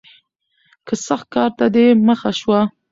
که سخت کار ته دې مخه شوه